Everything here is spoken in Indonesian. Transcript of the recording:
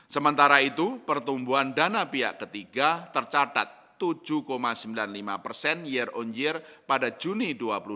sementara itu pertumbuhan dana pihak ketiga tercatat tujuh sembilan puluh lima persen year on year pada juni dua ribu dua puluh